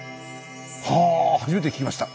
はぁ初めて聞きました。